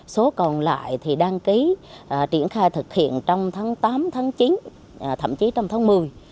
số còn lại thì đăng ký triển khai thực hiện trong tháng tám tháng chín thậm chí trong tháng một mươi